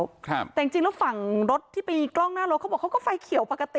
ครับแต่จริงจริงแล้วฝั่งรถที่ไปกล้องหน้ารถเขาบอกเขาก็ไฟเขียวปกติ